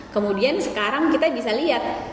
kemudian sekarang kita bisa lihat